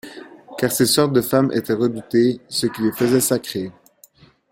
Car ces sortes de femmes étaient redoutées, ce qui les faisait sacrées.